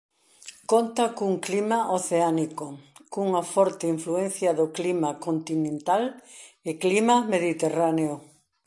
Conta cun clima oceánico cunha forte influencia do clima continental e clima mediterráneo.